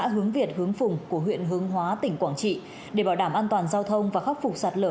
hồ huyện hương hóa tỉnh quảng trị để bảo đảm an toàn giao thông và khắc phục sạt lở